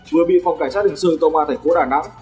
vừa bị phòng cảnh sát hình sự công an thành phố đà nẵng